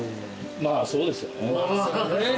まあそうですよね。